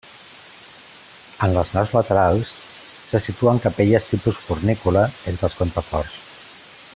En les naus laterals se situen capelles tipus fornícula entre els contraforts.